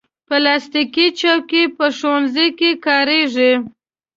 پلاستيکي چوکۍ په ښوونځیو کې کارېږي.